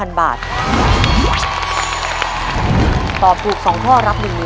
ถ้าตอบถูก๒ข้อรับ๑๐๐๐๐บาท